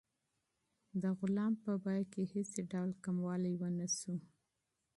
د غلام په قیمت کې هېڅ ډول کموالی ونه شو.